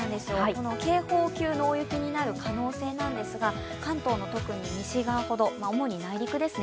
警報級の大雪になる可能性ですが、関東の特に西側ほど、主に内陸ですね